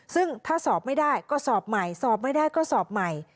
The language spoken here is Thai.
ซึ่งถ้าสอบไม่ได้ก็สอบใหม่สอบไม่ได้ก็สอบใหม่